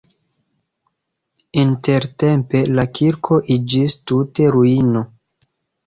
Intertempe la kirko iĝis tute ruino.